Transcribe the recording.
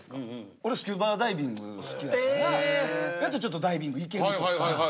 俺スキューバダイビング好きやからちょっとダイビング行けるとか。